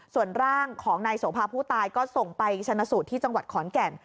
ส่วนร่างของนายโสภาผู้ตายก็ส่งไปชนะสูตรที่จังหวัดขอนแก่น